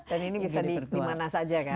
dan ini bisa dimana saja kan